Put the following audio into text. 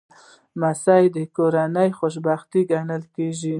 لمسی د کورنۍ خوشبختي ګڼل کېږي.